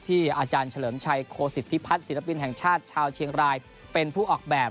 อาจารย์เฉลิมชัยโคสิตพิพัฒน์ศิลปินแห่งชาติชาวเชียงรายเป็นผู้ออกแบบ